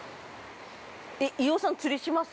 飯尾さん、釣りします？